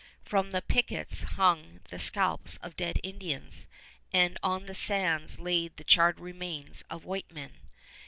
From the pickets hung the scalps of dead Indians and on the sands lay the charred remains of white men.